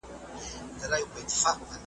چي هر څوک پر لاري ځي ده ته عیبجن وي `